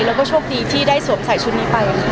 แล้วก็โชคดีที่ได้สวมใส่ชุดนี้ไปค่ะ